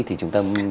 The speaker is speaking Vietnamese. thì chúng ta